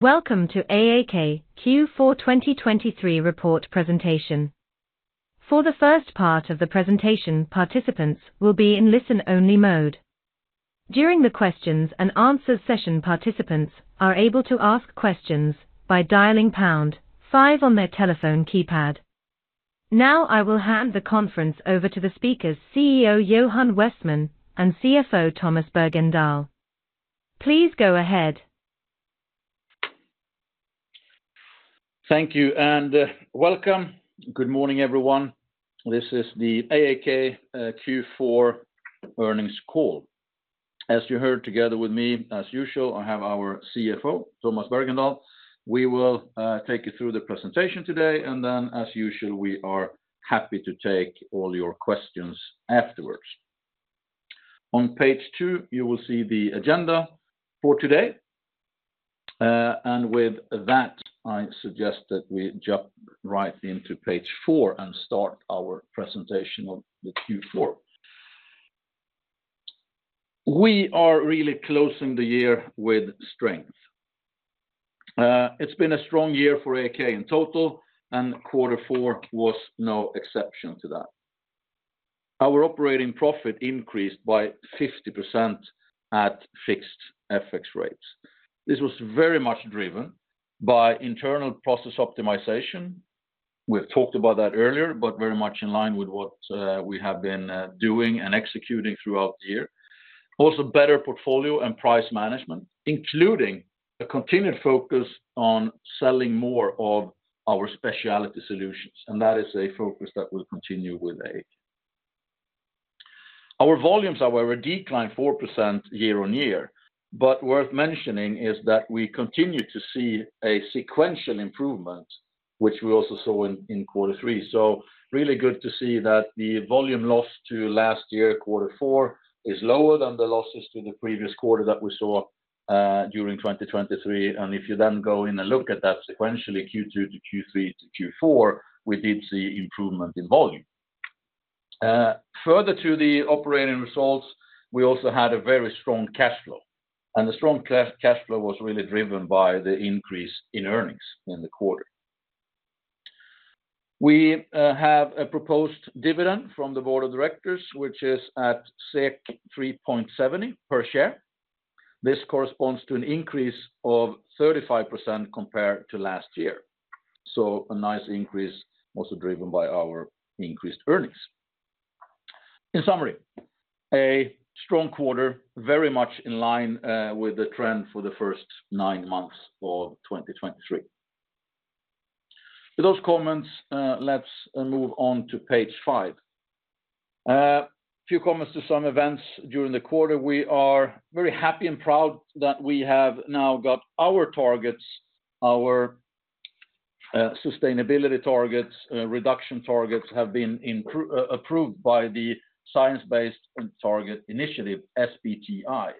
Welcome to AAK Q4 2023 report presentation. For the first part of the presentation, participants will be in listen-only mode. During the questions and answers session, participants are able to ask questions by dialing # five on their telephone keypad. Now, I will hand the conference over to the speakers, CEO Johan Westman and CFO Tomas Bergendahl. Please go ahead. Thank you, and welcome. Good morning, everyone. This is the AAK Q4 earnings call. As you heard, together with me as usual, I have our CFO, Tomas Bergendahl. We will take you through the presentation today, and then as usual, we are happy to take all your questions afterwards. On page 2, you will see the agenda for today. And with that, I suggest that we jump right into page 4 and start our presentation of the Q4. We are really closing the year with strength. It's been a strong year for AAK in total, and quarter four was no exception to that. Our operating profit increased by 50% at fixed FX rates. This was very much driven by internal process optimization. We've talked about that earlier, but very much in line with what we have been doing and executing throughout the year. Also, better portfolio and price management, including a continued focus on selling more of our speciality solutions, and that is a focus that will continue with AAK. Our volumes, however, declined 4% year-on-year, but worth mentioning is that we continue to see a sequential improvement, which we also saw in quarter three. So really good to see that the volume loss to last year, quarter four, is lower than the losses to the previous quarter that we saw during 2023. And if you then go in and look at that sequentially, Q2 to Q3 to Q4, we did see improvement in volume. Further to the operating results, we also had a very strong cash flow, and the strong cash flow was really driven by the increase in earnings in the quarter. We have a proposed dividend from the board of directors, which is at 3.70 per share. This corresponds to an increase of 35% compared to last year, so a nice increase, also driven by our increased earnings. In summary, a strong quarter, very much in line with the trend for the first nine months of 2023. With those comments, let's move on to page 5. A few comments to some events during the quarter. We are very happy and proud that we have now got our targets, our sustainability targets, reduction targets, have been approved by the Science Based Targets initiative, SBTi.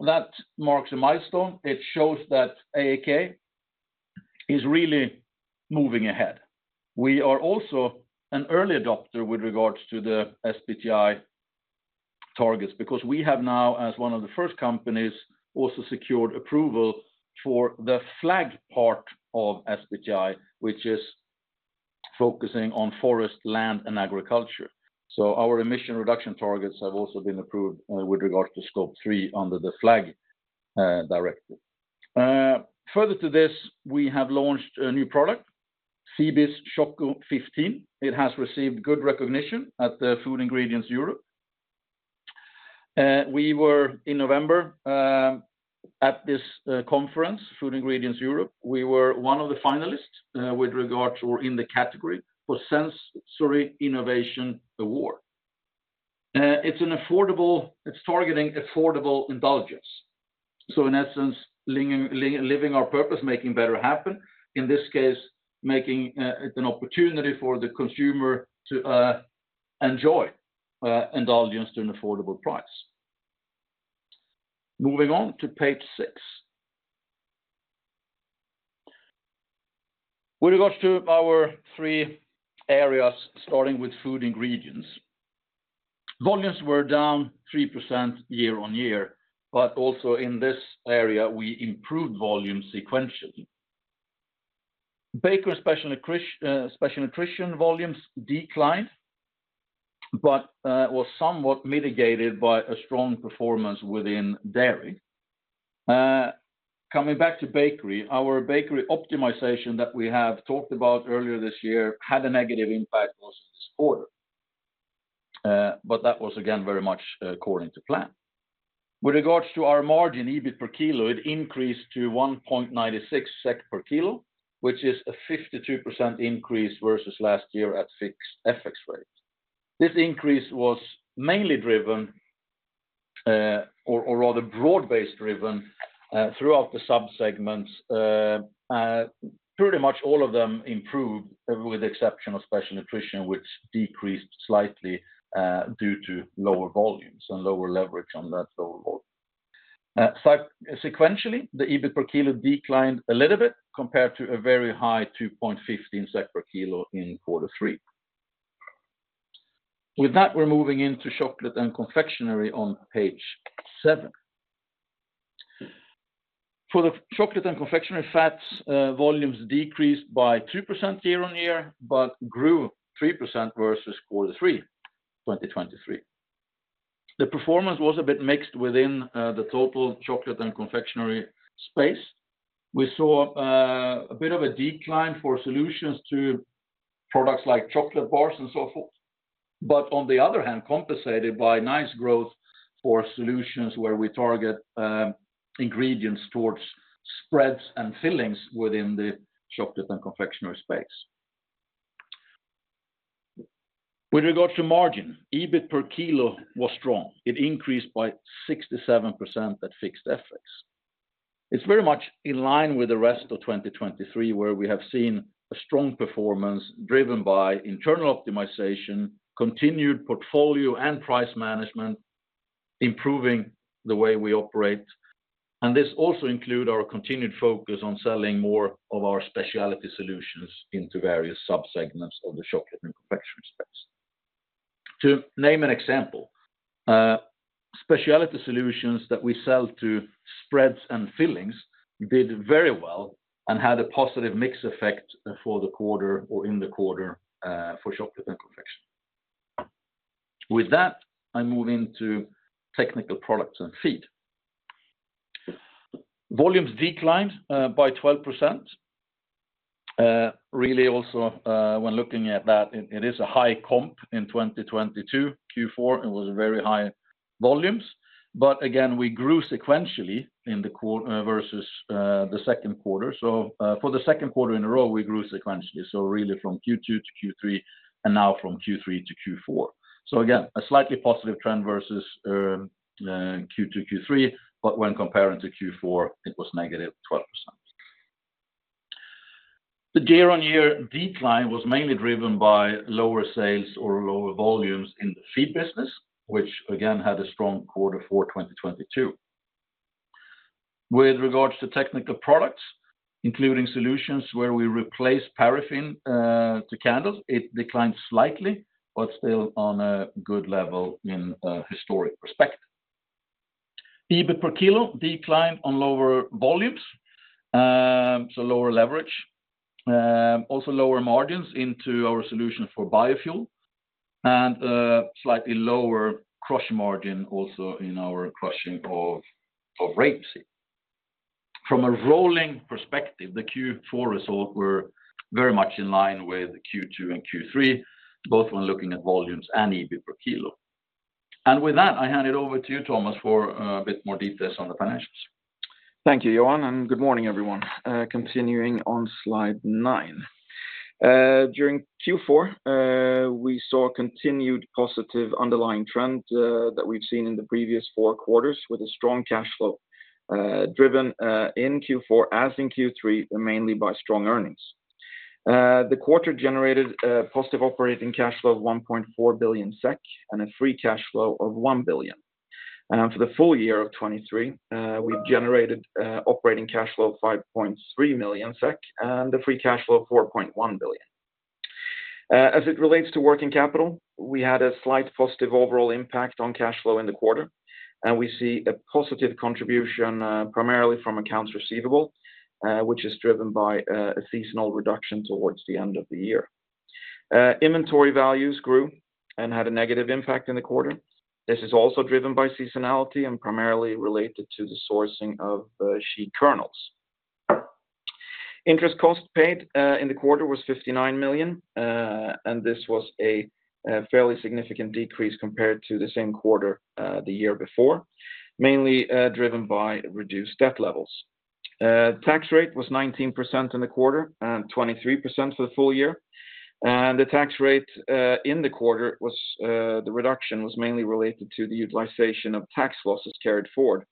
That marks a milestone. It shows that AAK is really moving ahead. We are also an early adopter with regards to the SBTi targets, because we have now, as one of the first companies, also secured approval for the FLAG part of SBTi, which is focusing on forest, land, and agriculture. So our emission reduction targets have also been approved with regard to Scope 3 under the FLAG directive. Further to this, we have launched a new product, CEBES Choco 15. It has received good recognition at the Food Ingredients Europe. We were in November at this conference, Food Ingredients Europe. We were one of the finalists with regard to in the category for Sensory Innovation Award. It's targeting affordable indulgence. So in essence, living our purpose, making better happen, in this case, making an opportunity for the consumer to enjoy indulgence at an affordable price. Moving on to page 6. With regards to our three areas, starting with food ingredients, volumes were down 3% year-on-year, but also in this area, we improved volume sequentially. Bakery Special Nutrition volumes declined, but was somewhat mitigated by a strong performance within dairy. Coming back to bakery, our bakery optimization that we have talked about earlier this year had a negative impact versus this quarter. But that was, again, very much according to plan. With regards to our margin, EBIT per kilo, it increased to 1.96 SEK per kilo, which is a 52% increase versus last year at fixed FX rates. This increase was mainly driven, or, or rather broad-based driven, throughout the sub-segments. Pretty much all of them improved, with the exception of Special Nutrition, which decreased slightly, due to lower volumes and lower leverage on that lower volume. Sequentially, the EBIT per kilo declined a little bit compared to a very high 2.15 SEK per kilo in quarter three. With that, we're moving into chocolate and confectionery on page 7. For the chocolate and confectionery fats, volumes decreased by 2% year-on-year, but grew 3% versus quarter three, 2023. The performance was a bit mixed within the total chocolate and confectionery space. We saw a bit of a decline for solutions to products like chocolate bars and so forth, but on the other hand, compensated by nice growth for solutions where we target ingredients towards spreads and fillings within the chocolate and confectionery space. With regard to margin, EBIT per kilo was strong. It increased by 67% at fixed FX. It's very much in line with the rest of 2023, where we have seen a strong performance driven by internal optimization, continued portfolio and price management, improving the way we operate. And this also include our continued focus on selling more of our specialty solutions into various subsegments of the chocolate and confectionery space. To name an example, specialty solutions that we sell to spreads and fillings did very well and had a positive mix effect for the quarter or in the quarter, for Chocolate and Confection. With that, I move into Technical Products and Feed. Volumes declined by 12%. Really also, when looking at that, it is a high comp in 2022 Q4, it was very high volumes, but again, we grew sequentially in the quarter versus the second quarter. So, for the second quarter in a row, we grew sequentially, so really from Q2 to Q3, and now from Q3 to Q4. So again, a slightly positive trend versus Q2, Q3, but when comparing to Q4, it was negative 12%. The year-on-year decline was mainly driven by lower sales or lower volumes in the feed business, which again, had a strong quarter for 2022. With regards to technical products, including solutions where we replace paraffin to candles, it declined slightly, but still on a good level in a historic perspective. EBIT per kilo declined on lower volumes, so lower leverage, also lower margins into our solution for biofuel, and a slightly lower crush margin also in our crushing of rapeseed. From a rolling perspective, the Q4 results were very much in line with Q2 and Q3, both when looking at volumes and EBIT per kilo. And with that, I hand it over to you, Tomas, for a bit more details on the financials. Thank you, Johan, and good morning, everyone. Continuing on Slide 9. During Q4, we saw a continued positive underlying trend that we've seen in the previous four quarters, with a strong cash flow driven in Q4, as in Q3, mainly by strong earnings. The quarter generated a positive operating cash flow of 1.4 billion SEK, and a free cash flow of 1 billion. For the full year of 2023, we generated operating cash flow of 5.3 million SEK, and the free cash flow of 4.1 billion. As it relates to working capital, we had a slight positive overall impact on cash flow in the quarter, and we see a positive contribution primarily from accounts receivable, which is driven by a seasonal reduction towards the end of the year. Inventory values grew and had a negative impact in the quarter. This is also driven by seasonality and primarily related to the sourcing of shea kernels. Interest cost paid in the quarter was 59 million, and this was a fairly significant decrease compared to the same quarter the year before, mainly driven by reduced debt levels. Tax rate was 19% in the quarter and 23% for the full year. And the tax rate in the quarter was, the reduction was mainly related to the utilization of tax losses carried forward,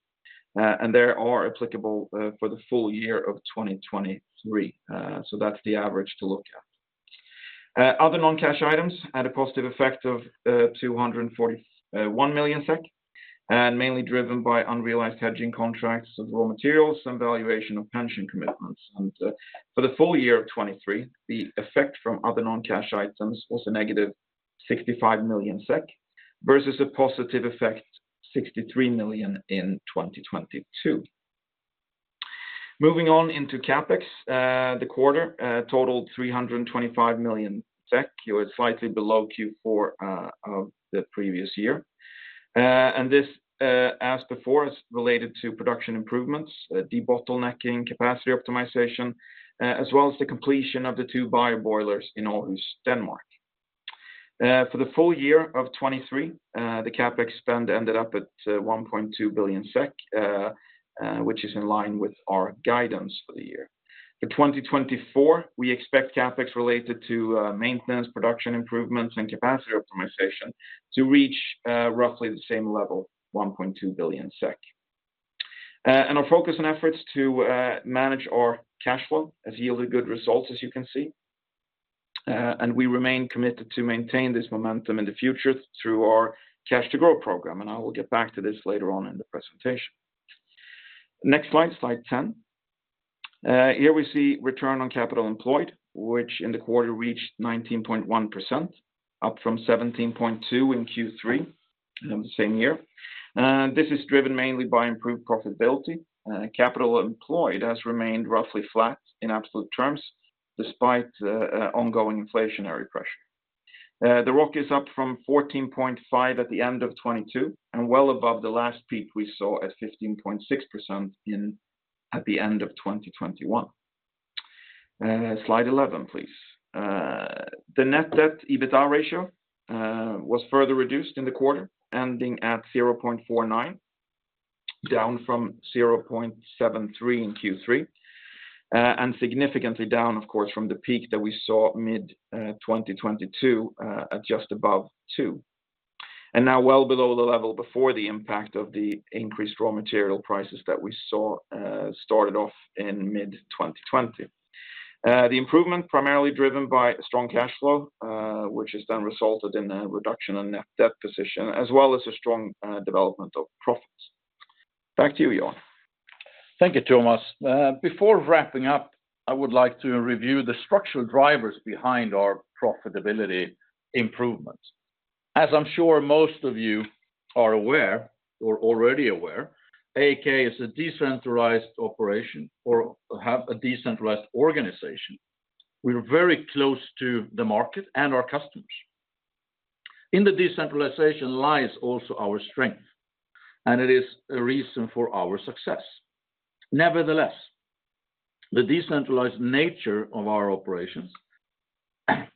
and they are applicable for the full year of 2023. So that's the average to look at. Other non-cash items had a positive effect of 241 million SEK, and mainly driven by unrealized hedging contracts of raw materials and valuation of pension commitments. For the full year of 2023, the effect from other non-cash items was a negative 65 million SEK, versus a positive effect, 63 million in 2022. Moving on into CapEx, the quarter totaled 325 million SEK. It was slightly below Q4 of the previous year. This, as before, is related to production improvements, debottlenecking, capacity optimization, as well as the completion of the two bio boilers in Aarhus, Denmark. For the full year of 2023, the CapEx spend ended up at 1.2 billion SEK, which is in line with our guidance for the year. For 2024, we expect CapEx related to maintenance, production improvements, and capacity optimization to reach roughly the same level, 1.2 billion SEK. Our focus and efforts to manage our cash flow has yielded good results, as you can see, and we remain committed to maintain this momentum in the future through our Cash to Grow program, and I will get back to this later on in the presentation. Next slide, slide 10. Here we see return on capital employed, which in the quarter reached 19.1%, up from 17.2 in Q3 in the same year. This is driven mainly by improved profitability. Capital employed has remained roughly flat in absolute terms, despite ongoing inflationary pressure. The ROCE is up from 14.5 at the end of 2022, and well above the last peak we saw at 15.6% at the end of 2021. Slide 11, please. The net debt EBITDA ratio was further reduced in the quarter, ending at 0.49, down from 0.73 in Q3, and significantly down, of course, from the peak that we saw mid-2022 at just above 2. And now well below the level before the impact of the increased raw material prices that we saw started off in mid-2020. The improvement primarily driven by strong cash flow, which has then resulted in a reduction in net debt position, as well as a strong development of profits. Back to you, Johan. Thank you, Tomas. Before wrapping up, I would like to review the structural drivers behind our profitability improvements. As I'm sure most of you are aware, or already aware, AAK is a decentralized operation or have a decentralized organization. We're very close to the market and our customers. In the decentralization lies also our strength, and it is a reason for our success. Nevertheless, the decentralized nature of our operations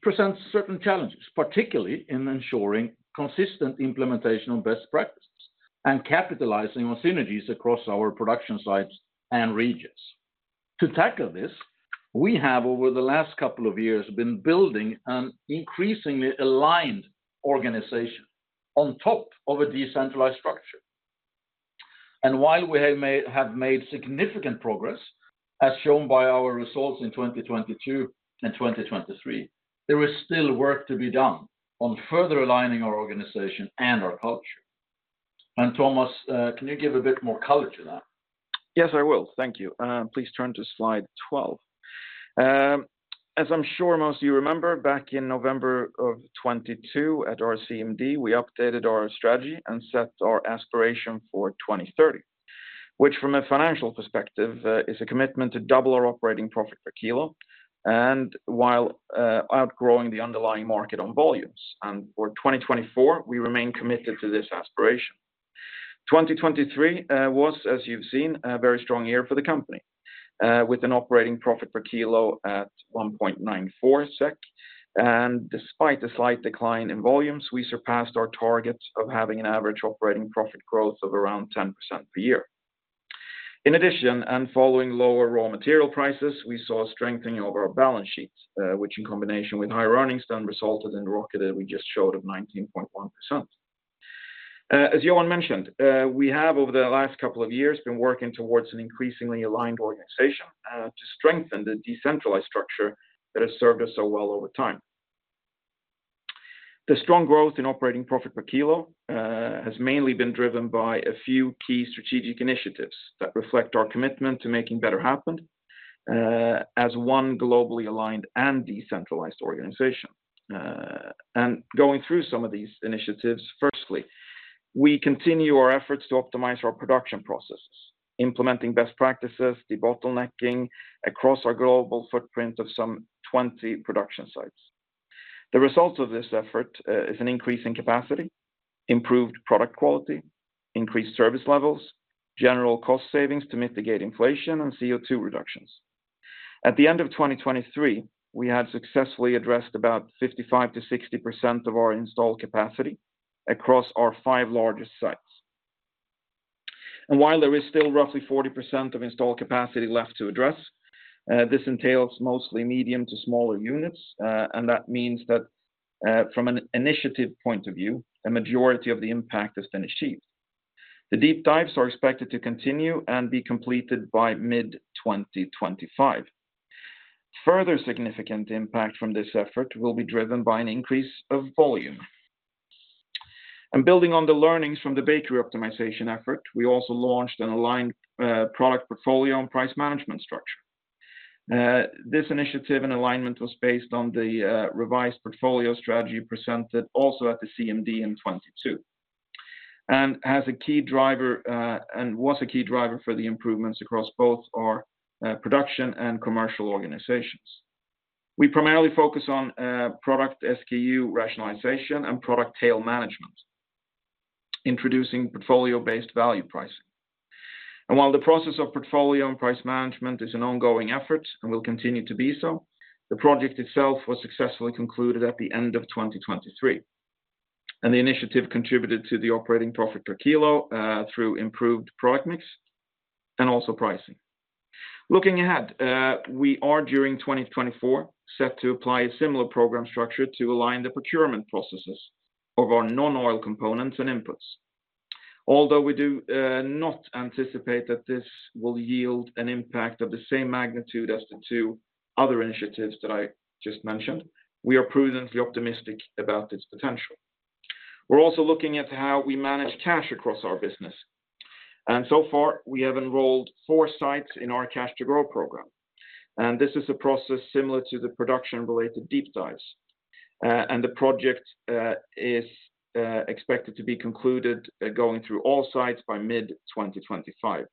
presents certain challenges, particularly in ensuring consistent implementation of best practices and capitalizing on synergies across our production sites and regions. To tackle this, we have, over the last couple of years, been building an increasingly aligned organization on top of a decentralized structure. While we have made, have made significant progress, as shown by our results in 2022 and 2023, there is still work to be done on further aligning our organization and our culture. Tomas, can you give a bit more color to that? Yes, I will. Thank you. Please turn to slide 12. As I'm sure most of you remember, back in November of 2022 at our CMD, we updated our strategy and set our aspiration for 2030, which from a financial perspective is a commitment to double our operating profit per kilo, and while outgrowing the underlying market on volumes. And for 2024, we remain committed to this aspiration. 2023 was, as you've seen, a very strong year for the company with an operating profit per kilo at 1.94 SEK. And despite a slight decline in volumes, we surpassed our targets of having an average operating profit growth of around 10% per year. In addition, and following lower raw material prices, we saw a strengthening of our balance sheets, which in combination with high earnings, then resulted in the ROCE we just showed of 19.1%. As Johan mentioned, we have, over the last couple of years, been working towards an increasingly aligned organization, to strengthen the decentralized structure that has served us so well over time. The strong growth in operating profit per kilo has mainly been driven by a few key strategic initiatives that reflect our commitment to making better happen, as one globally aligned and decentralized organization. And going through some of these initiatives, firstly, we continue our efforts to optimize our production processes, implementing best practices, debottlenecking across our global footprint of some 20 production sites. The result of this effort is an increase in capacity, improved product quality, increased service levels, general cost savings to mitigate inflation and CO2 reductions. At the end of 2023, we had successfully addressed about 55%-60% of our installed capacity across our five largest sites. While there is still roughly 40% of installed capacity left to address, this entails mostly medium to smaller units, and that means that from an initiative point of view, a majority of the impact has been achieved. The deep dives are expected to continue and be completed by mid 2025. Further significant impact from this effort will be driven by an increase of volume. Building on the learnings from the bakery optimization effort, we also launched an aligned product portfolio and price management structure. This initiative and alignment was based on the revised portfolio strategy presented also at the CMD in 2022, and as a key driver, and was a key driver for the improvements across both our production and commercial organizations. We primarily focus on product SKU rationalization and product tail management, introducing portfolio-based value pricing. While the process of portfolio and price management is an ongoing effort and will continue to be so, the project itself was successfully concluded at the end of 2023, and the initiative contributed to the operating profit per kilo through improved product mix and also pricing. Looking ahead, we are during 2024 set to apply a similar program structure to align the procurement processes of our non-oil components and inputs. Although we do not anticipate that this will yield an impact of the same magnitude as the two other initiatives that I just mentioned, we are prudently optimistic about its potential. We're also looking at how we manage cash across our business. So far, we have enrolled four sites in our Cash to Grow program, and this is a process similar to the production-related deep dives. And the project is expected to be concluded going through all sites by mid 2025,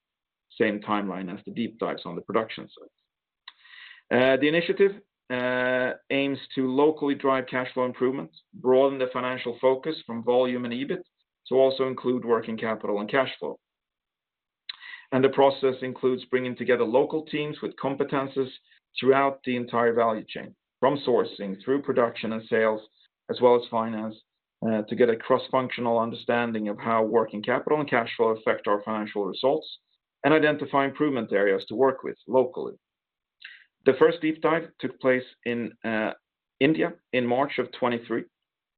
same timeline as the deep dives on the production sites. The initiative aims to locally drive cash flow improvements, broaden the financial focus from volume and EBIT, to also include working capital and cash flow. The process includes bringing together local teams with competencies throughout the entire value chain, from sourcing through production and sales, as well as finance, to get a cross-functional understanding of how working capital and cash flow affect our financial results, and identify improvement areas to work with locally. The first deep dive took place in India in March of 2023,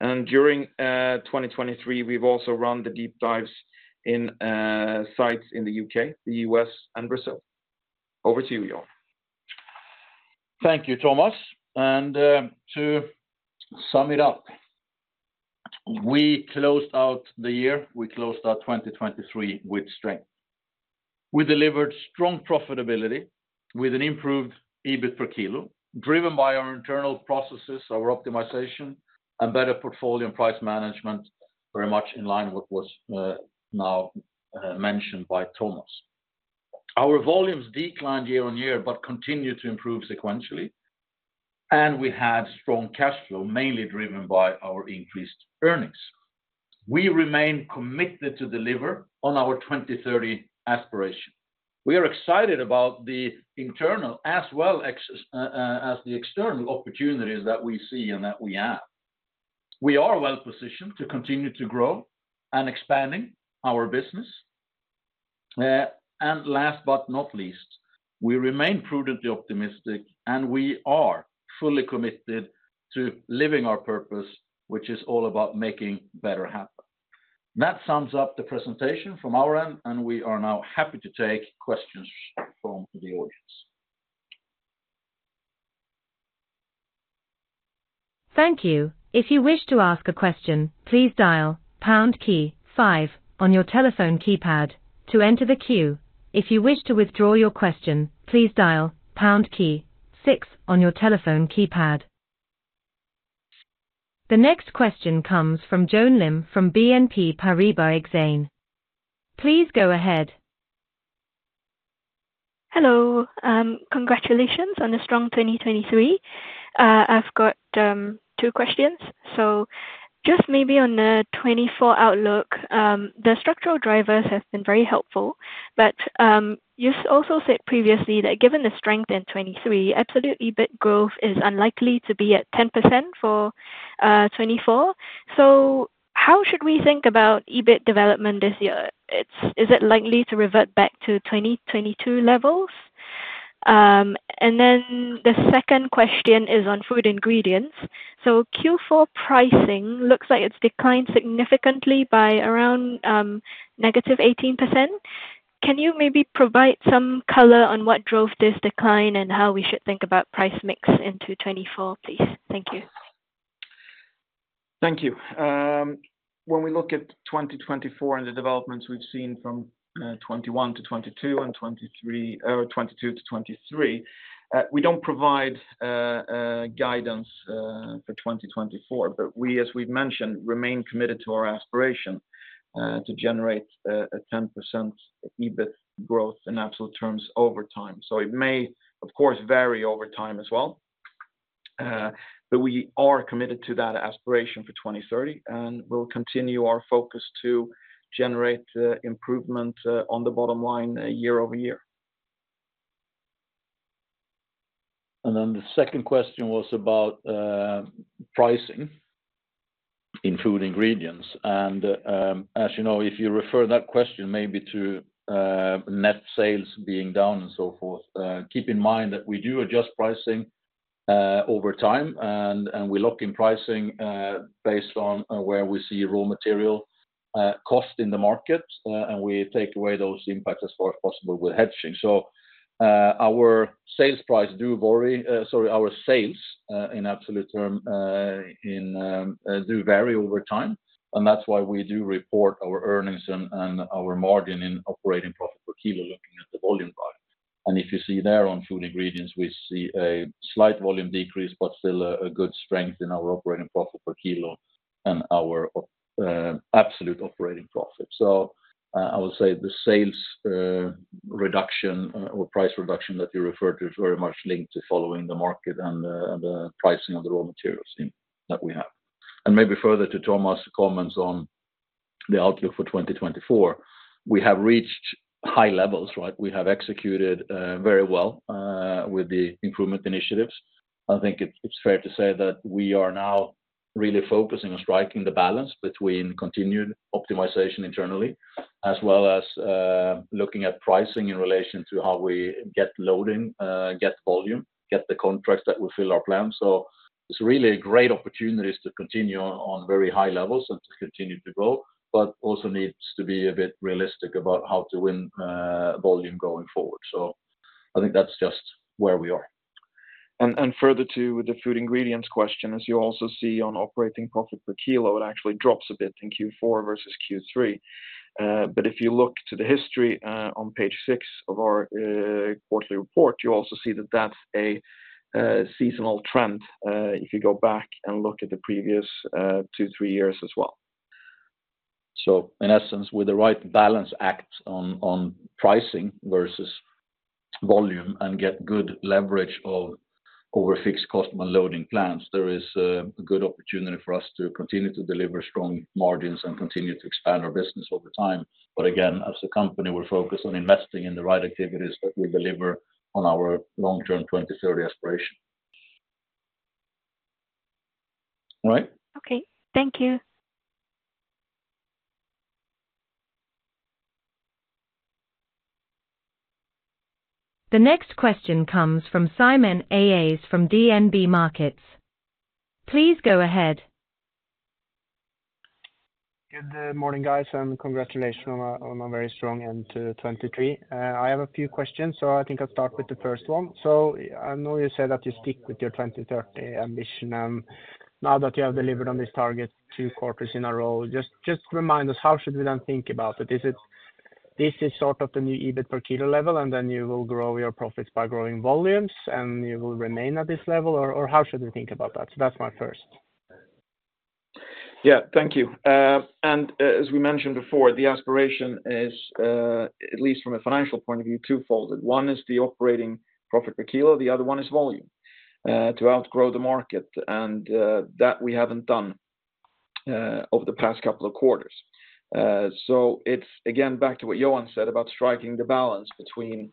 and during 2023, we've also run the deep dives in sites in the U.K., the U.S., and Brazil. Over to you, Johan. Thank you, Tomas. To sum it up, we closed out the year, we closed out 2023 with strength. We delivered strong profitability with an improved EBIT per kilo, driven by our internal processes, our optimization, and better portfolio and price management, very much in line with what now mentioned by Tomas. Our volumes declined year-on-year, but continued to improve sequentially, and we had strong cash flow, mainly driven by our increased earnings. We remain committed to deliver on our 2030 aspiration. We are excited about the internal as well as the external opportunities that we see and that we have. We are well positioned to continue to grow and expanding our business. Last but not least, we remain prudently optimistic, and we are fully committed to living our purpose, which is all about making better happen. That sums up the presentation from our end, and we are now happy to take questions from the audience. Thank you. If you wish to ask a question, please dial pound key five on your telephone keypad to enter the queue. If you wish to withdraw your question, please dial pound key six on your telephone keypad. The next question comes from Joan Lim, from BNP Paribas Exane. Please go ahead. Hello, congratulations on a strong 2023. I've got two questions. So just maybe on the 2024 outlook, the structural drivers have been very helpful, but you've also said previously that given the strength in 2023, absolute EBIT growth is unlikely to be at 10% for 2024. So how should we think about EBIT development this year? Is it likely to revert back to 2022 levels? And then the second question is on food ingredients. So Q4 pricing looks like it's declined significantly by around -18%. Can you maybe provide some color on what drove this decline and how we should think about price mix into 2024, please? Thank you. Thank you. When we look at 2024 and the developments we've seen from 2021 to 2022 and 2023, or 2022 to 2023, we don't provide guidance for 2024, but we, as we've mentioned, remain committed to our aspiration to generate a 10% EBIT growth in absolute terms over time. So it may, of course, vary over time as well, but we are committed to that aspiration for 2030, and we'll continue our focus to generate improvement on the bottom line year-over-year. And then the second question was about pricing in food ingredients. As you know, if you refer that question maybe to net sales being down and so forth, keep in mind that we do adjust pricing over time, and we lock in pricing based on where we see raw material cost in the market, and we take away those impacts as far as possible with hedging. Our sales price do vary, sorry, our sales in absolute term do vary over time, and that's why we do report our earnings and our margin in operating profit per kilo, looking at the volume part. If you see there on food ingredients, we see a slight volume decrease, but still a good strength in our operating profit per kilo and our absolute operating profit. So, I would say the sales reduction or price reduction that you referred to is very much linked to following the market and the pricing of the raw materials that we have. Maybe further to Tomas' comments on the outlook for 2024, we have reached high levels, right? We have executed very well with the improvement initiatives. I think it's fair to say that we are now really focusing on striking the balance between continued optimization internally, as well as looking at pricing in relation to how we get loading, get volume, get the contracts that will fill our plans. So it's really a great opportunity to continue on very high levels and to continue to grow, but also needs to be a bit realistic about how to win volume going forward. So I think that's just where we are. Further to the food ingredients question, as you also see on operating profit per kilo, it actually drops a bit in Q4 versus Q3. But if you look to the history, on page six of our quarterly report, you also see that that's a seasonal trend if you go back and look at the previous two, three years as well. So in essence, with the right balance act on pricing versus volume and get good leverage over fixed cost and loading plants, there is a good opportunity for us to continue to deliver strong margins and continue to expand our business over time. But again, as a company, we're focused on investing in the right activities that we deliver on our long-term 2030 aspiration. All right? Okay, thank you. The next question comes from Simen Aas from DNB Markets. Please go ahead. Good morning, guys, and congratulations on a very strong end to 2023. I have a few questions, so I think I'll start with the first one. So I know you said that you stick with your 2030 ambition. Now that you have delivered on this target two quarters in a row, just remind us, how should we then think about it? Is it this is sort of the new EBIT per kilo level, and then you will grow your profits by growing volumes, and you will remain at this level? Or how should we think about that? So that's my first. Yeah, thank you. And as we mentioned before, the aspiration is, at least from a financial point of view, twofold. One is the operating profit per kilo, the other one is volume, to outgrow the market, and that we haven't done over the past couple of quarters. So it's again, back to what Johan said about striking the balance between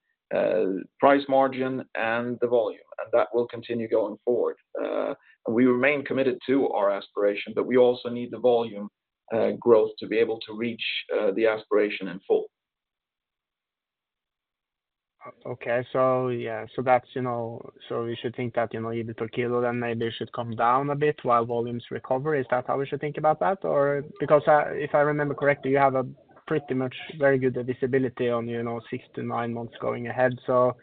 price margin and the volume, and that will continue going forward. And we remain committed to our aspiration, but we also need the volume growth to be able to reach the aspiration in full. Okay, so yeah. So that's, you know. So we should think that, you know, EBIT per kilo then maybe should come down a bit while volumes recover. Is that how we should think about that? Or, because if I remember correctly, you have pretty much very good visibility on, you know, 6-9 months going ahead. So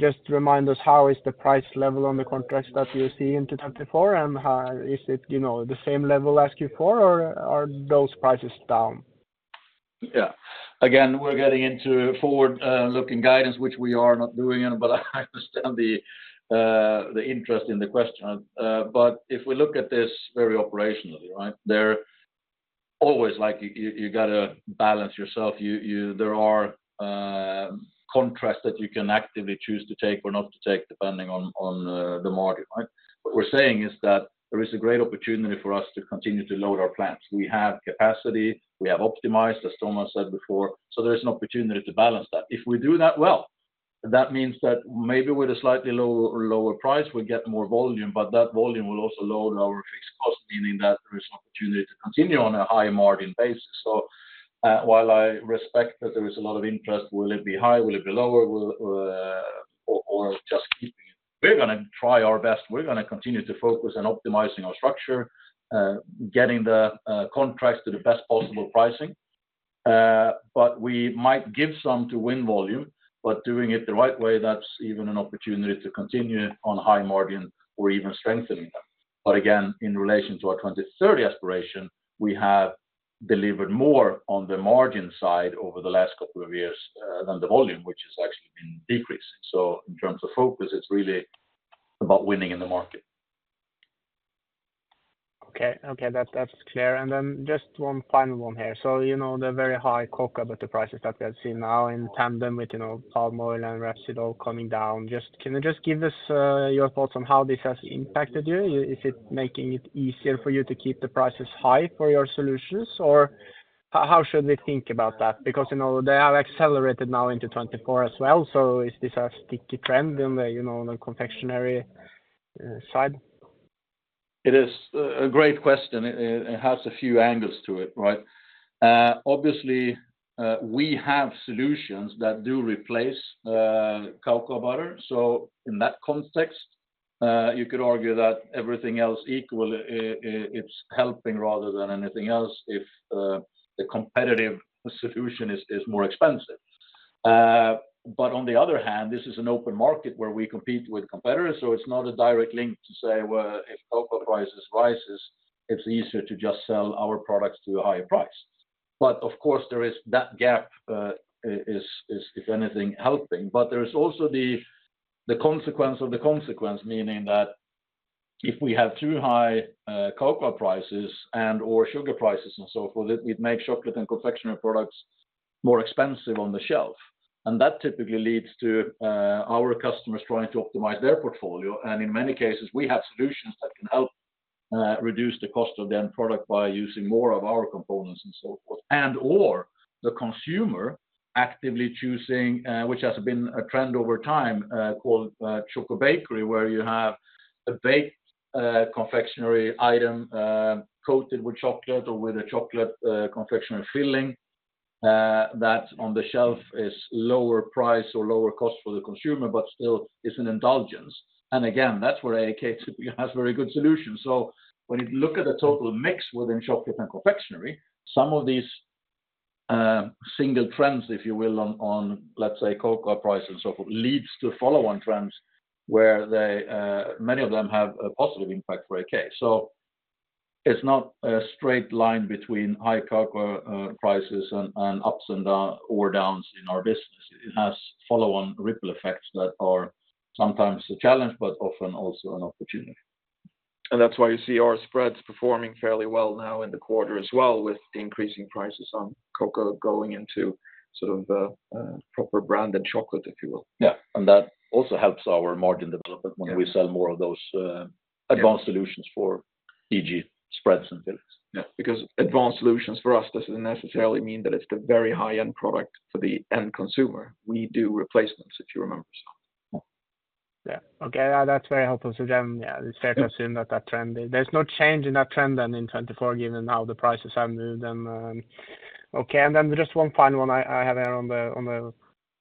just remind us, how is the price level on the contracts that you see into 2024, and is it, you know, the same level as Q4, or are those prices down? Yeah. Again, we're getting into forward-looking guidance, which we are not doing, but I understand the interest in the question. But if we look at this very operationally, right? There always, like, you got to balance yourself. There are contracts that you can actively choose to take or not to take, depending on the margin, right? What we're saying is that there is a great opportunity for us to continue to load our plants. We have capacity, we have optimized, as Tomas said before, so there is an opportunity to balance that. If we do that well, that means that maybe with a slightly lower price, we get more volume, but that volume will also load our fixed cost, meaning that there is an opportunity to continue on a high margin basis. So, while I respect that there is a lot of interest, will it be high? Will it be lower? Will or just keeping it? We're gonna try our best. We're gonna continue to focus on optimizing our structure, getting the contracts to the best possible pricing. But we might give some to win volume, but doing it the right way, that's even an opportunity to continue on high margin or even strengthening them. But again, in relation to our 2030 aspiration, we have delivered more on the margin side over the last couple of years than the volume, which has actually been decreasing. So in terms of focus, it's really about winning in the market. Okay, okay, that's, that's clear. And then just one final one here. So, you know, the very high cocoa butter prices that we have seen now in tandem with, you know, palm oil and rapeseed all coming down. Just— Can you just give us your thoughts on how this has impacted you? Is it making it easier for you to keep the prices high for your solutions, or how should we think about that? Because you know, they have accelerated now into 2024 as well. So is this a sticky trend in the, you know, the confectionery side? It is a great question. It has a few angles to it, right? Obviously, we have solutions that do replace cocoa butter. So in that context, you could argue that everything else equal, it's helping rather than anything else, if the competitive solution is more expensive. But on the other hand, this is an open market where we compete with competitors, so it's not a direct link to say, well, if cocoa prices rises, it's easier to just sell our products to a higher price. But of course, there is that gap, if anything, helping. But there is also the consequence of the consequence, meaning that if we have too high cocoa prices and/or sugar prices and so forth, it makes chocolate and confectionery products more expensive on the shelf. That typically leads to our customers trying to optimize their portfolio. In many cases, we have solutions that can help reduce the cost of the end product by using more of our components and so forth. And/or the consumer actively choosing, which has been a trend over time, called ChocoBakery, where you have a baked confectionery item coated with chocolate or with a chocolate confectionery filling that on the shelf is lower price or lower cost for the consumer, but still is an indulgence. And again, that's where AAK has very good solutions. So when you look at the total mix within chocolate and confectionery, some of these single trends, if you will on, on, let's say, cocoa prices, so leads to follow-on trends where they, many of them have a positive impact for AAK. It's not a straight line between high cocoa prices and ups and downs in our business. It has follow-on ripple effects that are sometimes a challenge, but often also an opportunity. That's why you see our spreads performing fairly well now in the quarter as well, with the increasing prices on cocoa going into sort of, a proper branded chocolate, if you will. Yeah, and that also helps our margin development- Yeah - when we sell more of those, advanced solutions for e.g., spreads and fillings. Yeah, because advanced solutions for us doesn't necessarily mean that it's the very high-end product for the end consumer. We do replacements, if you remember, so. Yeah. Okay, that's very helpful. So then, yeah, it's fair to assume that that trend, there's no change in that trend then in 2024, given how the prices have moved then. Okay, and then just one final one I have here on the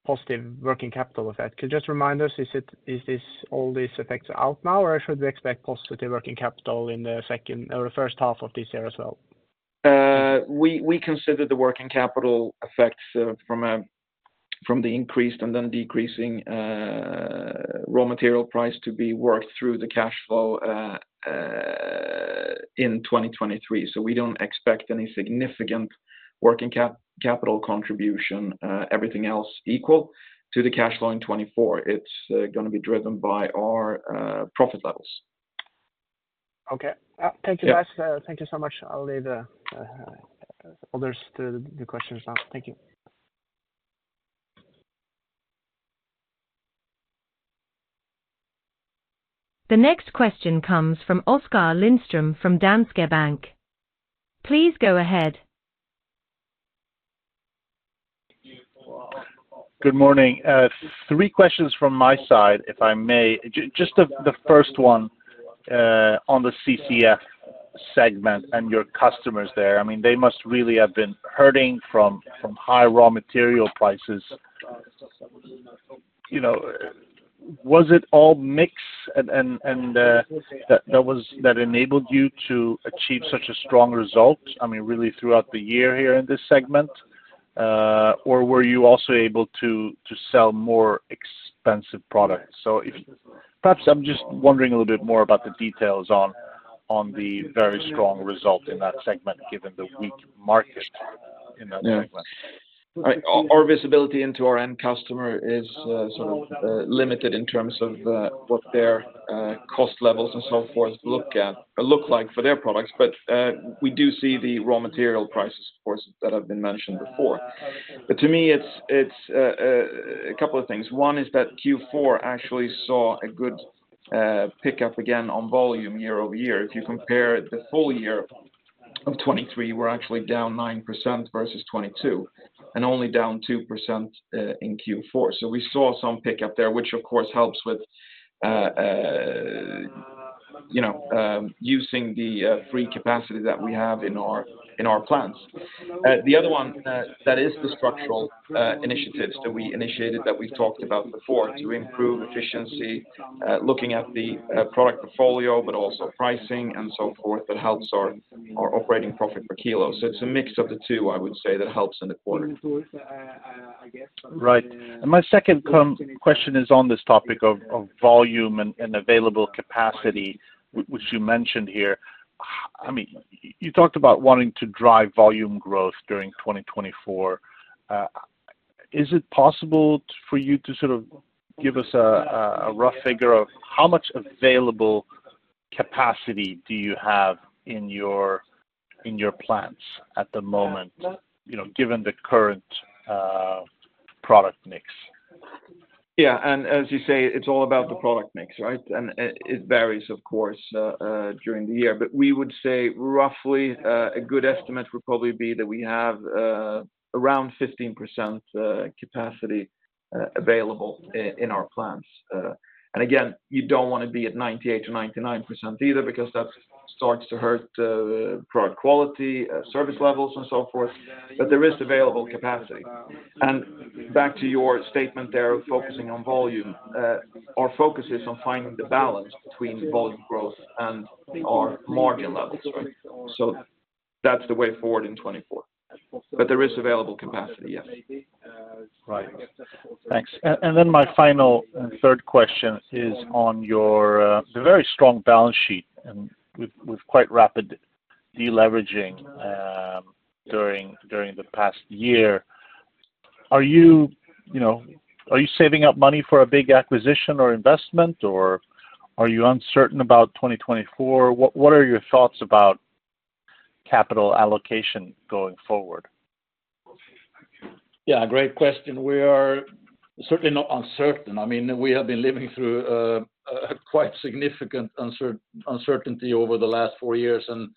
positive working capital effect. Could you just remind us, is it—is this, all these effects are out now, or should we expect positive working capital in the second or the first half of this year as well? We consider the working capital effects from the increased and then decreasing raw material price to be worked through the cash flow in 2023. So we don't expect any significant working capital contribution, everything else equal, to the cash flow in 2024. It's gonna be driven by our profit levels. Okay. Thank you, guys. Yeah. Thank you so much. I'll leave the others to the questions now. Thank you. The next question comes from Oskar Lindström from Danske Bank. Please go ahead. Good morning. Three questions from my side, if I may. Just the first one on the CCF segment and your customers there. I mean, they must really have been hurting from high raw material prices. You know, was it all mix and that that enabled you to achieve such a strong result? I mean, really throughout the year here in this segment, or were you also able to sell more expensive products? So perhaps I'm just wondering a little bit more about the details on the very strong result in that segment, given the weak market in that segment. Yeah. Our visibility into our end customer is sort of limited in terms of what their cost levels and so forth look like for their products. But we do see the raw material prices, of course, that have been mentioned before. But to me, it's a couple of things. One is that Q4 actually saw a good pick up again on volume year-over-year. If you compare the full year of 2023, we're actually down 9% versus 2022, and only down 2% in Q4. So we saw some pick up there, which, of course, helps with you know, using the free capacity that we have in our plants. The other one, that is the structural initiatives that we initiated, that we talked about before, to improve efficiency, looking at the product portfolio, but also pricing and so forth, that helps our operating profit per kilo. So it's a mix of the two, I would say, that helps in the quarter. Right. And my second question is on this topic of volume and available capacity, which you mentioned here. I mean, you talked about wanting to drive volume growth during 2024. Is it possible for you to sort of give us a rough figure of how much available capacity do you have in your plants at the moment, you know, given the current product mix? Yeah, and as you say, it's all about the product mix, right? And it varies, of course, during the year. But we would say roughly, a good estimate would probably be that we have around 15% capacity available in our plants. And again, you don't want to be at 98%-99% either, because that starts to hurt the product quality, service levels, and so forth, but there is available capacity. And back to your statement there, focusing on volume, our focus is on finding the balance between volume growth and our margin levels, right? So that's the way forward in 2024. But there is available capacity, yes. Right. Thanks. And then my final and third question is on your the very strong balance sheet and with quite rapid deleveraging during the past year. Are you, you know, are you saving up money for a big acquisition or investment, or are you uncertain about 2024? What are your thoughts about capital allocation going forward? Yeah, great question. We are certainly not uncertain. I mean, we have been living through a quite significant uncertainty over the last four years, and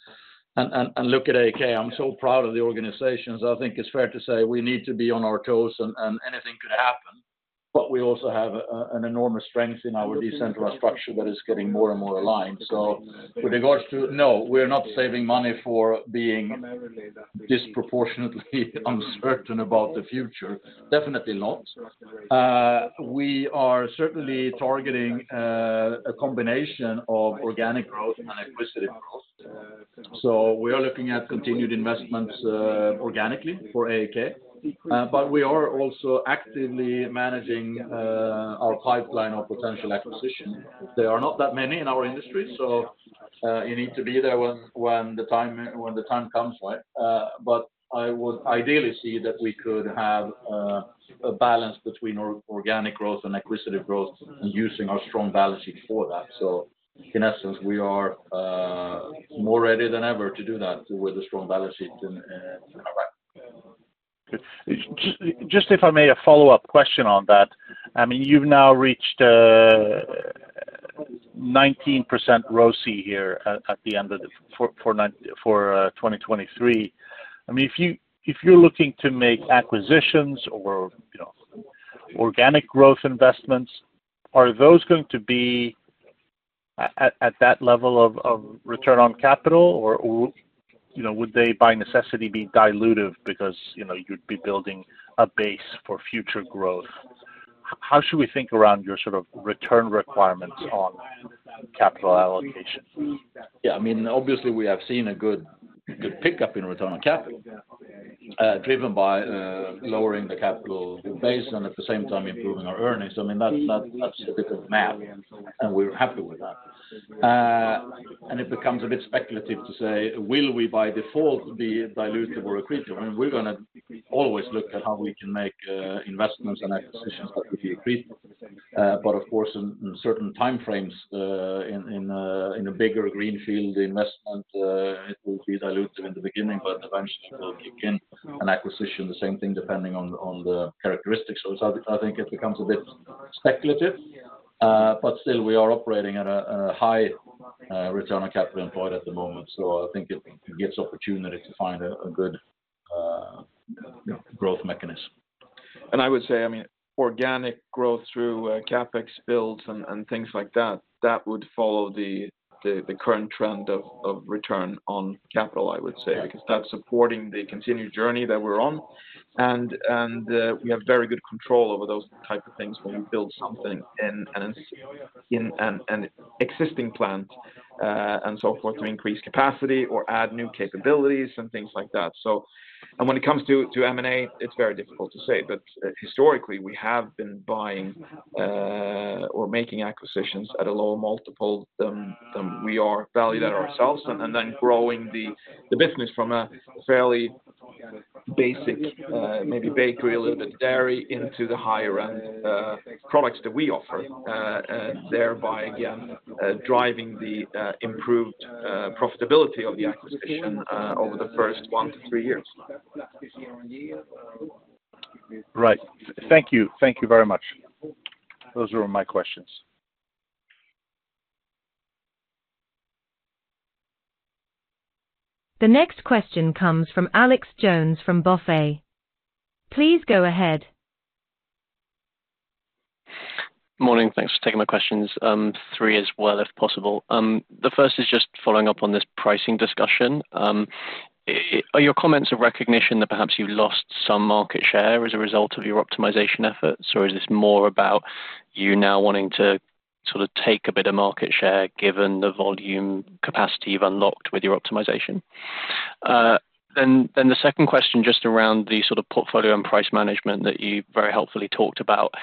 look at AAK, I'm so proud of the organization. So I think it's fair to say we need to be on our toes, and anything could happen... but we also have an enormous strength in our decentralized structure that is getting more and more aligned. So with regards to, no, we're not saving money for being disproportionately uncertain about the future, definitely not. We are certainly targeting a combination of organic growth and acquisitive growth. So we are looking at continued investments organically for AAK. But we are also actively managing our pipeline of potential acquisition. There are not that many in our industry, so you need to be there when the time comes, right? But I would ideally see that we could have a balance between organic growth and acquisitive growth, and using our strong balance sheet for that. So in essence, we are more ready than ever to do that with a strong balance sheet and, Good. Just if I may, a follow-up question on that. I mean, you've now reached 19% ROCE here at the end of the year for the nine months of 2023. I mean, if you're looking to make acquisitions or, you know, organic growth investments, are those going to be at that level of return on capital? Or, you know, would they, by necessity, be dilutive because, you know, you'd be building a base for future growth? How should we think around your sort of return requirements on capital allocation? Yeah, I mean, obviously, we have seen a good, good pickup in return on capital, driven by lowering the capital base and at the same time improving our earnings. I mean, that's, that's, that's a bit of math, and we're happy with that. And it becomes a bit speculative to say, will we, by default, be dilutive or accretive? I mean, we're gonna always look at how we can make investments and acquisitions that would be accretive. But of course in, in certain time frames in, in, in a bigger greenfield investment, it will be dilutive in the beginning, but eventually it will kick in. An acquisition, the same thing, depending on the, on the characteristics. So I think it becomes a bit speculative, but still we are operating at a high return on capital employed at the moment, so I think it gives opportunity to find a good, you know, growth mechanism. I would say, I mean, organic growth through CapEx builds and things like that, that would follow the current trend of return on capital, I would say, because that's supporting the continued journey that we're on. And we have very good control over those type of things when we build something in an existing plant and so forth, to increase capacity or add new capabilities and things like that. So. And when it comes to M&A, it's very difficult to say. But, historically, we have been buying, or making acquisitions at a lower multiple than we are valued at ourselves, and then growing the business from a fairly basic, maybe bakery, a little bit dairy, into the higher-end products that we offer, thereby again, driving the improved profitability of the acquisition, over the first one to three years. Right. Thank you. Thank you very much. Those were all my questions. The next question comes from Alex Jones from BofA. Please go ahead. Morning. Thanks for taking my questions. Three as well, if possible. The first is just following up on this pricing discussion. Are your comments a recognition that perhaps you lost some market share as a result of your optimization efforts, or is this more about you now wanting to sort of take a bit of market share, given the volume capacity you've unlocked with your optimization? Then, the second question, just around the sort of portfolio and price management that you very helpfully talked about.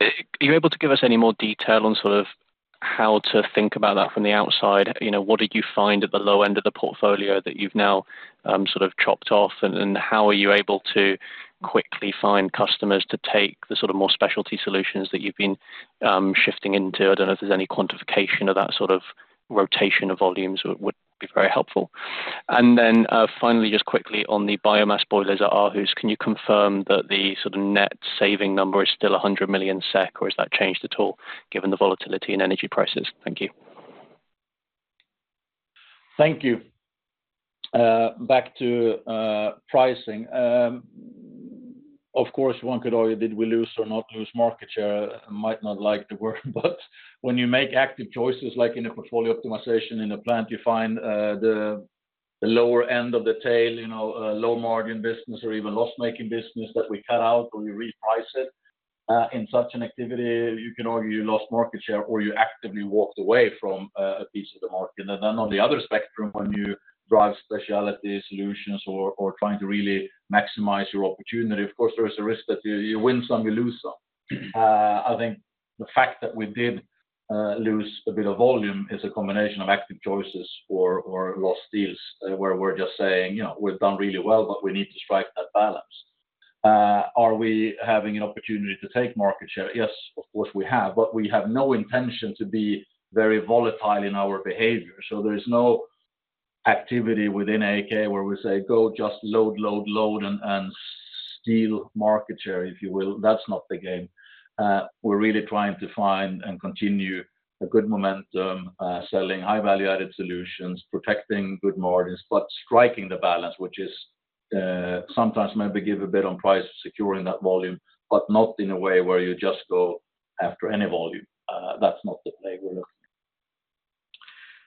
Are you able to give us any more detail on sort of how to think about that from the outside? You know, what did you find at the low end of the portfolio that you've now sort of chopped off, and how are you able to quickly find customers to take the sort of more specialty solutions that you've been shifting into? I don't know if there's any quantification of that sort of rotation of volumes would be very helpful. And then finally, just quickly on the biomass boilers at Aarhus, can you confirm that the sort of net saving number is still 100 million SEK, or has that changed at all, given the volatility in energy prices? Thank you. Thank you. Back to pricing. Of course, one could argue, did we lose or not lose market share? Might not like the word, but when you make active choices, like in a portfolio optimization in a plant, you find the lower end of the tail, you know, low margin business or even loss-making business that we cut out or we reprice it. In such an activity, you can argue you lost market share, or you actively walked away from a piece of the market. And then on the other spectrum, when you drive specialty solutions or trying to really maximize your opportunity, of course, there is a risk that you win some, you lose some. I think the fact that we did lose a bit of volume is a combination of active choices or lost deals where we're just saying, "You know, we've done really well, but we need to strike that balance." Are we having an opportunity to take market share? Yes, of course, we have, but we have no intention to be very volatile in our behavior. So there is no activity within AAK where we say, "Go, just load, load, load, and steal market share," if you will. That's not the game. We're really trying to find and continue a good momentum, selling high-value-added solutions, protecting good margins, but striking the balance, which is sometimes maybe give a bit on price securing that volume, but not in a way where you just go after any volume. That's not the play we're looking.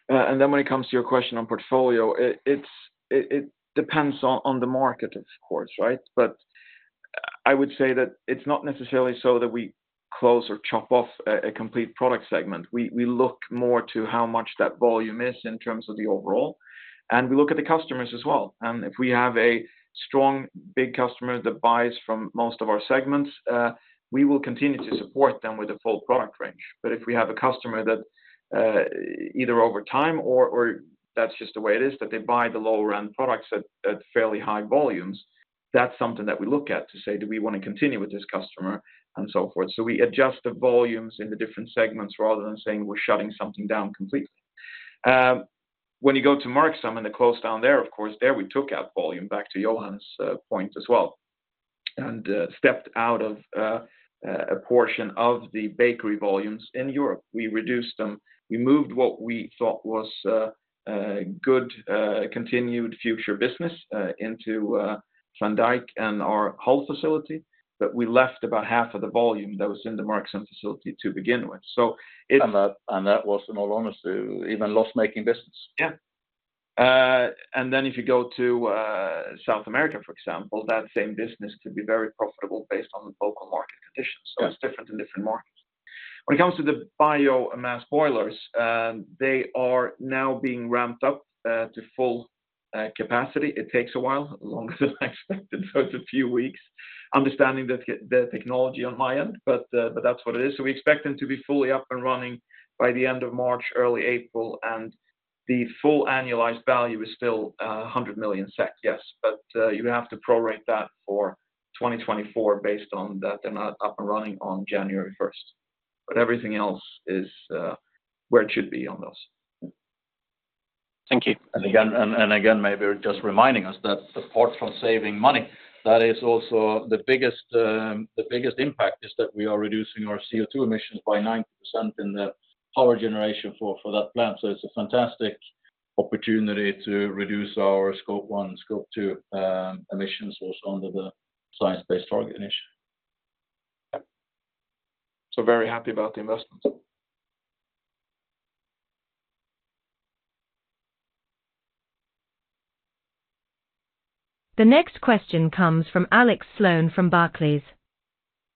And then when it comes to your question on portfolio, it's, it depends on the market, of course, right? But I would say that it's not necessarily so that we close or chop off a complete product segment. We look more to how much that volume is in terms of the overall, and we look at the customers as well. And if we have a strong, big customer that buys from most of our segments, we will continue to support them with a full product range. But if we have a customer that either over time or that's just the way it is, that they buy the lower-end products at fairly high volumes, that's something that we look at to say: Do we want to continue with this customer? And so forth. So we adjust the volumes in the different segments rather than saying we're shutting something down completely. When you go to Merksem and the close down there, of course, there we took out volume back to Johan's point as well, and stepped out of a portion of the bakery volumes in Europe. We reduced them. We moved what we thought was a good continued future business into Zaandijk and our Hull facility, but we left about half of the volume that was in the Merksem facility to begin with. So it- And that was, in all honesty, even loss-making business. Yeah. And then if you go to South America, for example, that same business could be very profitable based on the local market conditions. Yeah. So it's different in different markets. When it comes to the biomass boilers, they are now being ramped up to full capacity. It takes a while, longer than I expected, so it's a few weeks, understanding the technology on my end but, but that's what it is. So we expect them to be fully up and running by the end of March, early April, and the full annualized value is still 100 million SEK, yes, but you have to prorate that for 2024 based on that they're not up and running on January first. But everything else is where it should be on those. Thank you. Again, maybe just reminding us that apart from saving money, that is also the biggest impact is that we are reducing our CO2 emissions by 90% in the power generation for that plant. So it's a fantastic opportunity to reduce our Scope 1, Scope 2 emissions also under the Science Based Targets initiative. Very happy about the investment. The next question comes from Alex Sloane from Barclays.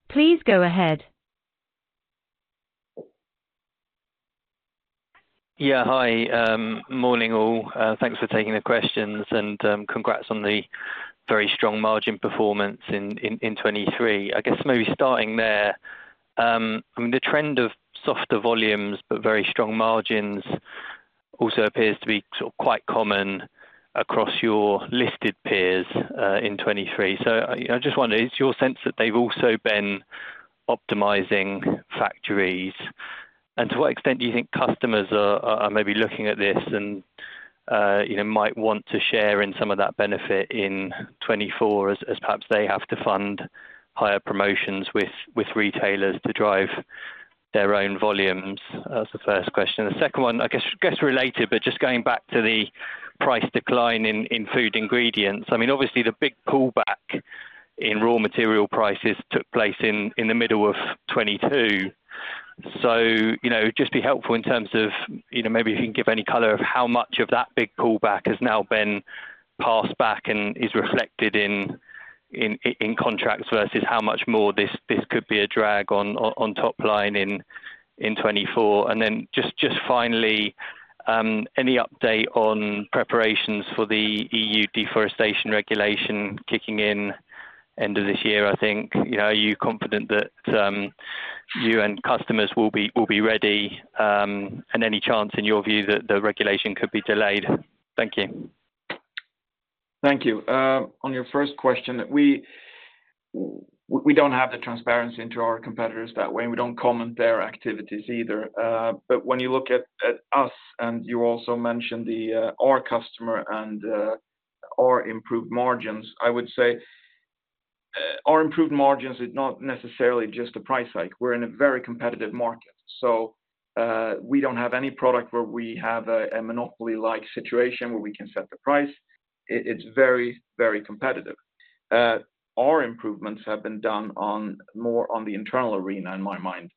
Please go ahead. Yeah, hi. Morning, all. Thanks for taking the questions, and congrats on the very strong margin performance in 2023. I guess maybe starting there, I mean, the trend of softer volumes, but very strong margins also appears to be quite common across your listed peers in 2023. So I just wondered, is your sense that they've also been optimizing factories? And to what extent do you think customers are maybe looking at this and, you know, might want to share in some of that benefit in 2024, as perhaps they have to fund higher promotions with retailers to drive their own volumes? That's the first question. The second one, I guess related, but just going back to the price decline in food ingredients. I mean, obviously, the big pullback in raw material prices took place in the middle of 2022. So, you know, just be helpful in terms of, you know, maybe if you can give any color of how much of that big pullback has now been passed back and is reflected in contracts versus how much more this could be a drag on top line in 2024. And then just finally, any update on preparations for the EU Deforestation Regulation kicking in end of this year, I think? You know, are you confident that you and customers will be ready, and any chance in your view that the regulation could be delayed? Thank you. Thank you. On your first question, we don't have the transparency into our competitors that way, and we don't comment on their activities either. But when you look at us, and you also mentioned the our customer and our improved margins, I would say our improved margins is not necessarily just a price hike. We're in a very competitive market, so we don't have any product where we have a monopoly-like situation where we can set the price. It's very, very competitive. Our improvements have been done more on the internal arena, in my mind,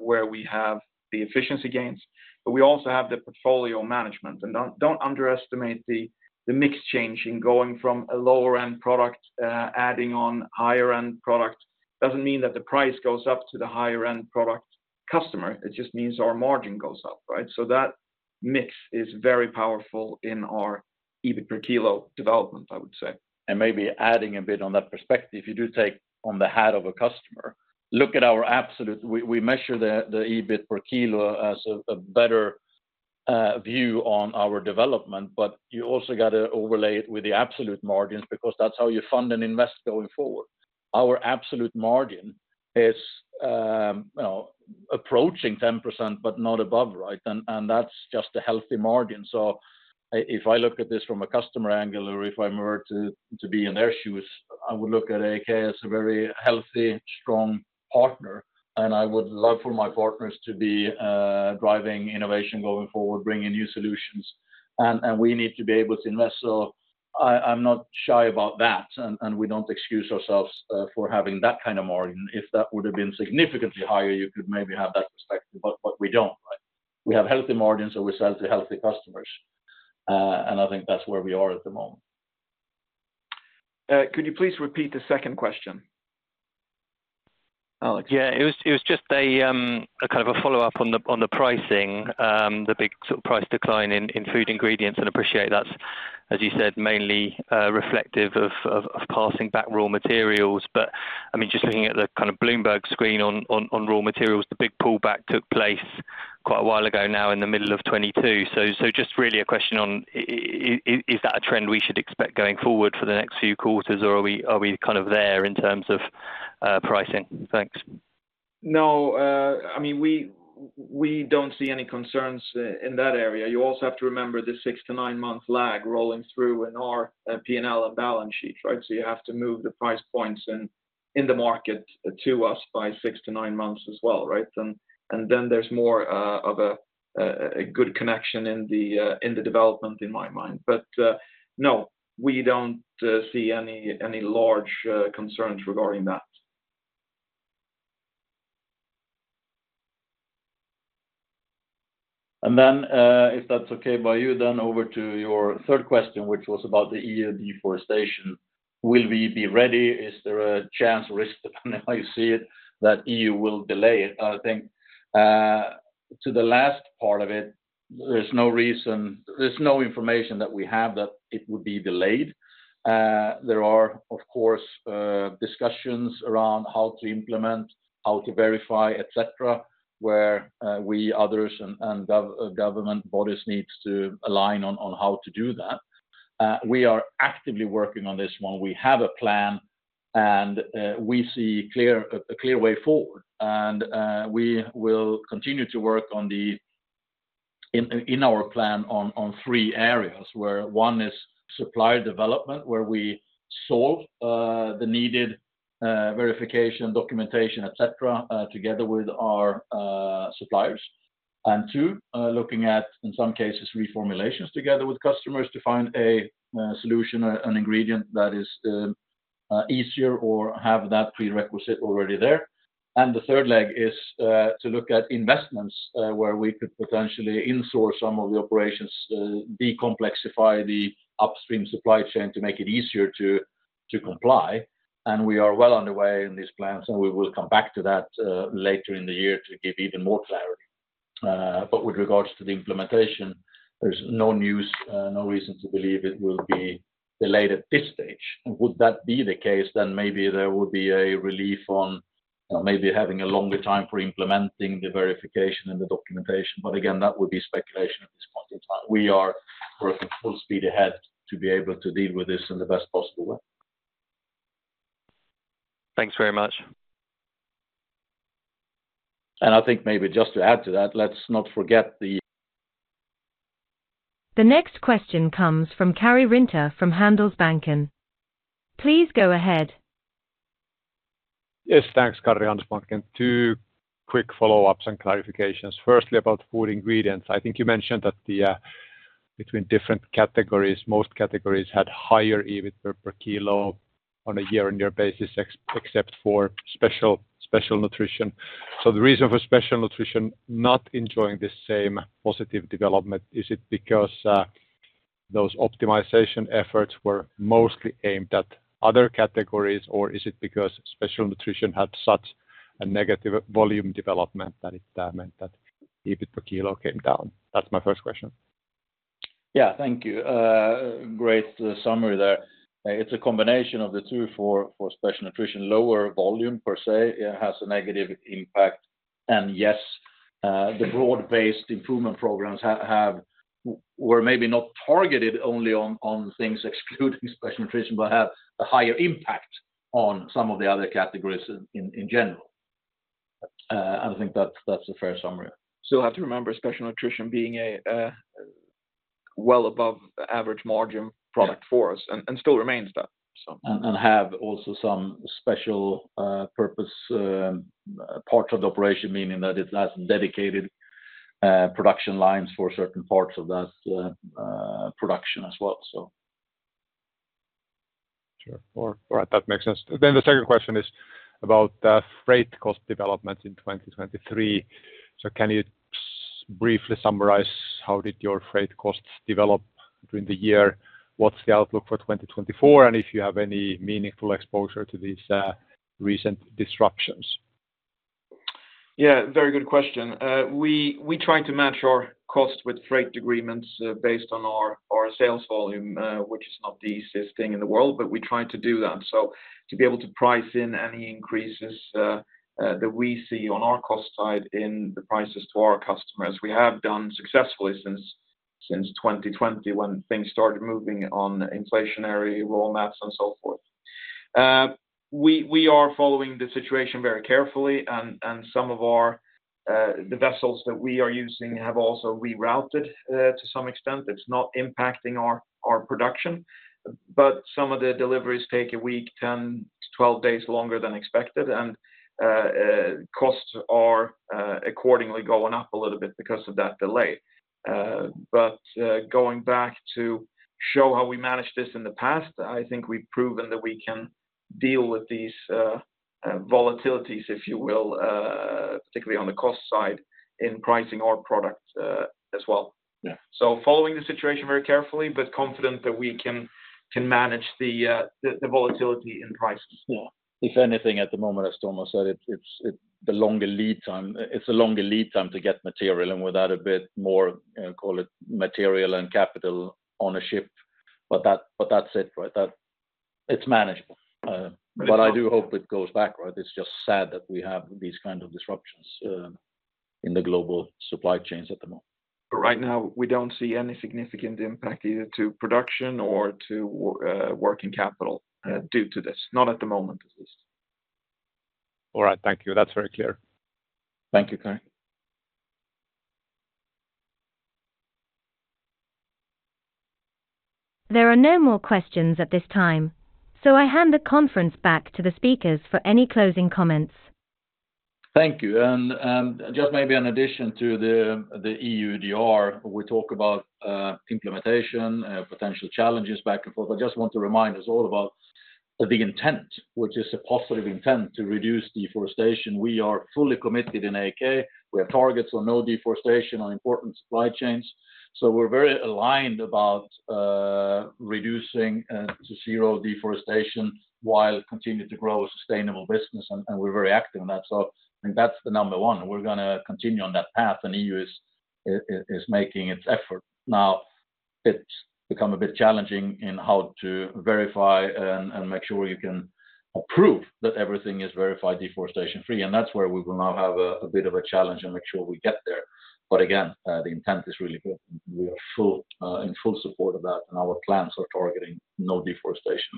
where we have the efficiency gains, but we also have the portfolio management. And don't underestimate the mix change in going from a lower-end product, adding on higher-end product. Doesn't mean that the price goes up to the higher-end product. Customer, it just means our margin goes up, right? So that mix is very powerful in our EBIT per kilo development, I would say, maybe adding a bit on that perspective, if you do take on the hat of a customer, look at our absolute. We measure the EBIT per kilo as a better view on our development, but you also got to overlay it with the absolute margins because that's how you fund and invest going forward. Our absolute margin is approaching 10%, but not above, right? And that's just a healthy margin. So if I look at this from a customer angle, or if I were to be in their shoes, I would look at AAK as a very healthy, strong partner, and I would love for my partners to be driving innovation going forward, bringing new solutions, and we need to be able to invest. So I, I'm not shy about that, and, and we don't excuse ourselves for having that kind of margin. If that would have been significantly higher, you could maybe have that perspective, but, but we don't. We have healthy margins, and we sell to healthy customers, and I think that's where we are at the moment. Could you please repeat the second question, Alex? Yeah. It was just a kind of a follow-up on the pricing, the big sort of price decline in food ingredients. And appreciate that, as you said, mainly reflective of passing back raw materials. But I mean, just looking at the kind of Bloomberg screen on raw materials, the big pullback took place quite a while ago now in the middle of 2022. So just really a question on is that a trend we should expect going forward for the next few quarters, or are we kind of there in terms of pricing? Thanks. No, I mean, we don't see any concerns in that area. You also have to remember the 6-9-month lag rolling through in our P&L and balance sheets, right? So you have to move the price points in the market to us by 6-9 months as well, right? And then there's more of a good connection in the development, in my mind. But no, we don't see any large concerns regarding that. And then, if that's okay by you, then over to your third question, which was about the EU deforestation. Will we be ready? Is there a chance or risk, depending how you see it, that EU will delay it? I think, to the last part of it, there's no reason, there's no information that we have that it would be delayed. There are, of course, discussions around how to implement, how to verify, et cetera, where we, others, and government bodies needs to align on how to do that. We are actively working on this one. We have a plan, and we see a clear way forward. And we will continue to work on the in our plan on three areas, where one is supplier development, where we solve the needed verification, documentation, et cetera, together with our suppliers. And two, looking at, in some cases, reformulations together with customers to find a solution, an ingredient that is easier or have that prerequisite already there. The third leg is to look at investments where we could potentially onshore some of the operations, de-complexify the upstream supply chain to make it easier to comply, and we are well on the way in these plans, and we will come back to that later in the year to give even more clarity. But with regards to the implementation, there's no news, no reason to believe it will be delayed at this stage. Would that be the case, then maybe there would be a relief on maybe having a longer time for implementing the verification and the documentation. But again, that would be speculation at this point in time. We are working full speed ahead to be able to deal with this in the best possible way. Thanks very much. I think maybe just to add to that, let's not forget the- The next question comes from Karri Rinta from Handelsbanken. Please go ahead. Yes, thanks, Karri Handelsbanken. Two quick follow-ups and clarifications. Firstly, about food ingredients. I think you mentioned that between different categories, most categories had higher EBIT per kilo on a year-on-year basis, except for special nutrition. So the reason for special nutrition not enjoying the same positive development, is it because those optimization efforts were mostly aimed at other categories, or is it because special nutrition had such a negative volume development that it meant that EBIT per kilo came down? That's my first question. Yeah, thank you. Great summary there. It's a combination of the two for special nutrition. Lower volume, per se, has a negative impact. And yes, the broad-based improvement programs were maybe not targeted only on things excluding special nutrition, but have a higher impact on some of the other categories in general. I think that's a fair summary. Still have to remember, special nutrition being a well above average margin product- Yeah -for us, and, and still remains that, so. And have also some special purpose parts of the operation, meaning that it has dedicated production lines for certain parts of that production as well, so. Sure. All right, that makes sense. Then the second question is about the freight cost development in 2023. So can you briefly summarize, how did your freight costs develop during the year? What's the outlook for 2024, and if you have any meaningful exposure to these recent disruptions? Yeah, very good question. We try to match our costs with freight agreements based on our sales volume, which is not the easiest thing in the world, but we try to do that. So to be able to price in any increases that we see on our cost side in the prices to our customers. We have done successfully since 2020, when things started moving on inflationary roadmaps and so forth. We are following the situation very carefully, and some of the vessels that we are using have also rerouted to some extent. It's not impacting our production, but some of the deliveries take a week, 10-12 days longer than expected, and costs are accordingly going up a little bit because of that delay but, going back to show how we managed this in the past, I think we've proven that we can deal with these volatilities, if you will, particularly on the cost side, in pricing our products, as well. Yeah. Following the situation very carefully, but confident that we can manage the volatility in prices. Yeah. If anything, at the moment, as Tomas said, it's the longer lead time. It's a longer lead time to get material, and with that, a bit more, call it material and capital on a ship. But that's it, right? It's manageable. But I do hope it goes back, right? It's just sad that we have these kind of disruptions in the global supply chains at the moment. But right now, we don't see any significant impact, either to production or to working capital, due to this. Not at the moment, at least. All right. Thank you. That's very clear. Thank you, Karri. There are no more questions at this time, so I hand the conference back to the speakers for any closing comments. Thank you. And just maybe an addition to the EUDR. We talk about implementation, potential challenges back and forth. I just want to remind us all about the big intent, which is a positive intent to reduce deforestation. We are fully committed in AAK. We have targets on no deforestation on important supply chains, so we're very aligned about reducing to zero deforestation while continuing to grow a sustainable business, and we're very active in that. So I think that's the number one, and we're gonna continue on that path, and EU is making its effort. Now, it's become a bit challenging in how to verify and make sure you can prove that everything is verified deforestation-free, and that's where we will now have a bit of a challenge and make sure we get there. But again, the intent is really good. We are fully in full support of that, and our plans are targeting no deforestation.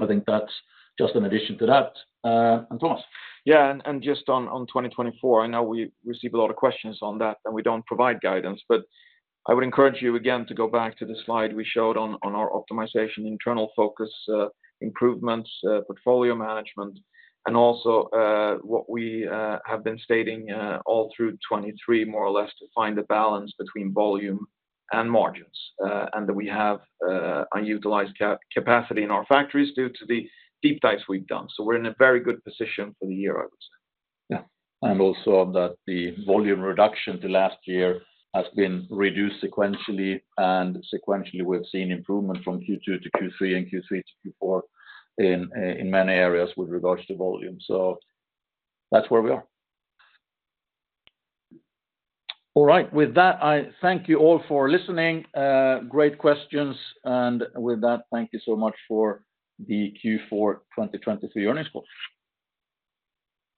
I think that's just an addition to that. And Tomas. Yeah, and just on 2024, I know we receive a lot of questions on that, and we don't provide guidance. But I would encourage you again to go back to the slide we showed on our optimization, internal focus, improvements, portfolio management, and also what we have been stating all through 2023, more or less, to find a balance between volume and margins. And that we have unutilized capacity in our factories due to the deep dives we've done. So we're in a very good position for the year, I would say. Yeah. And also that the volume reduction to last year has been reduced sequentially, and sequentially, we've seen improvement from Q2 to Q3 and Q3 to Q4 in, in many areas with regards to volume. So that's where we are. All right. With that, I thank you all for listening. Great questions. And with that, thank you so much for the Q4 2023 earnings call.